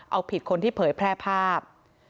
เอาผิดคนที่เผยแพร่ภาพ